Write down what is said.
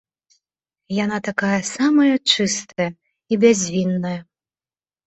Яна такая самая чыстая і бязвінная.